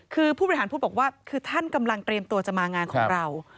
คือผู้บริหารพุทธบอกว่าคือท่านกำลังเตรียมตัวจะมางานของเรา